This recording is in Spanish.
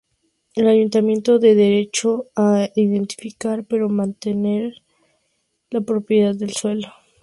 El Ayuntamiento da derecho a edificar, pero mantiene la propiedad del suelo.